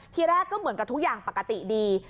ทีแรกก็เหมือนกับทุกอย่างปกติดี